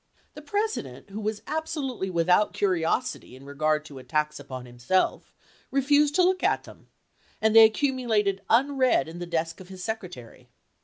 The President, who was absolutely without cm iosity in regard to at tacks upon himself, refused to look at them, and they accumulated unread in the desk of his secre tary.